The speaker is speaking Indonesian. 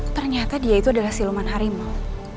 ternyata dia itu adalah siluman harimau